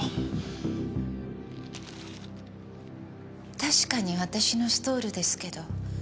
確かに私のストールですけど。